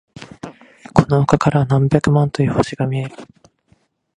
この丘からは何百万という星が見える。